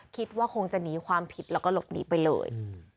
คิดว่าคงจะหนีความผิดแล้วก็หลบหนีไปเลย